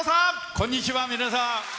こんにちは皆さん。